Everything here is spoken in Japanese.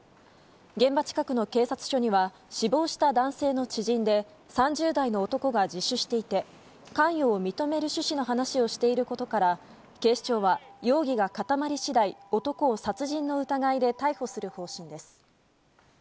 現場近くの警察署には死亡した男性の知人で３０代の男が自首していて関与を認める趣旨の話をしていることから警視庁は容疑が固まり次第男を殺人の疑いで逮捕する方針です。